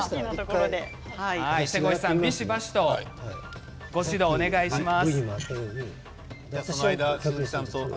瀬越さん、ビシバシとご指導をお願いします。